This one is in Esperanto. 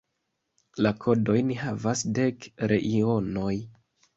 La kodojn havas dek reionoj.